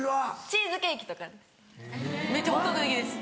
チーズケーキとかです。